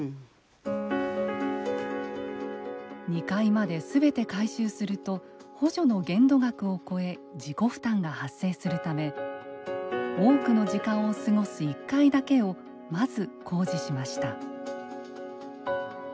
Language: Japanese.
２階まですべて改修すると補助の限度額を超え自己負担が発生するため多くの時間を過ごす１階だけをまず工事しました。